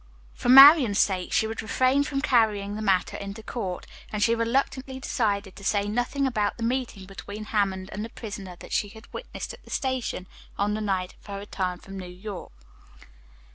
For Marian's sake, she would refrain from carrying the matter into court, and she reluctantly decided to say nothing about the meeting between Hammond and the prisoner that she had witnessed at the station on the night of her return from New York.